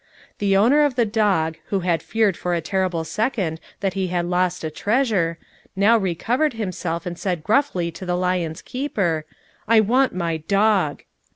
The owner of the dog, who had feared for a terrible second that he had lost a treasure, now re covered himself and said gruffly to the lion's keeper: "I want my dog."